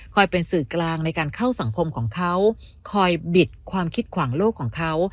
เป็นสื่อกลางในการเข้าสังคมของเขาคอยบิดความคิดขวางโลกของเขา